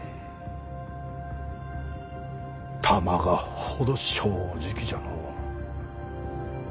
たまがっほど正直じゃのう。